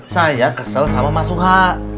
saya kesel sama mas suha